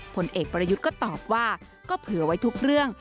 ผลเอกประยุทธ์ก็ตอบว่าก็เผื่อไว้ทุกเรื่อง